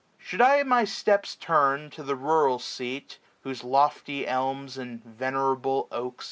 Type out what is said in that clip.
Should I my steps turn to the rural seat. Whose lofty elms, and venerable oaks.